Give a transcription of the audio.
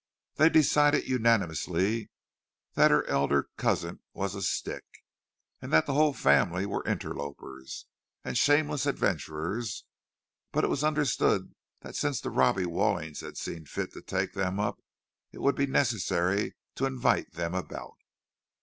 They decided unanimously that her elder cousin was a "stick," and that the whole family were interlopers and shameless adventurers; but it was understood that since the Robbie Wallings had seen fit to take them up, it would be necessary to invite them about.